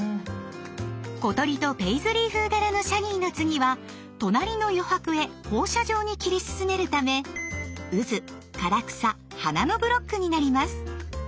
小鳥とペイズリー風柄のシャギーの次は隣の余白へ放射状に切り進めるためうず・唐草・花のブロックになります。